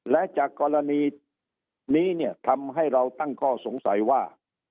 และจากกรณีนี้เนี่ยทำให้เราตั้งข้อสงสัยว่า